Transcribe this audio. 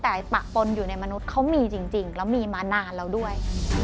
แต่ปะปนอยู่ในมนุษย์เขามีจริงแล้วมีมานานแล้วด้วย